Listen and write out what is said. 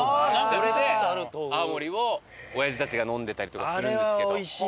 それで泡盛をおやじたちが飲んでたりとかするんですけど。